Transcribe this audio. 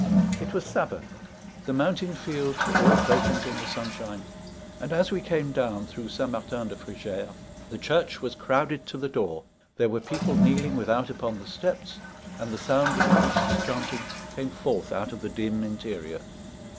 It was Sabbath; the mountain fields were all vacant in the sunshine; and as we came down through St. Martin de Frugères, the church was crowded to the door, there were people kneeling without upon the steps, and the sound of the priest's chanting came forth out of the dim interior.